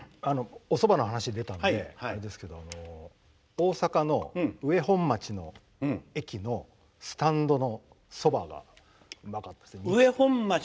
井上くん。おそばの話、出たんであれですけど大阪の上本町の駅のスタンドのそばが、うまかったですね。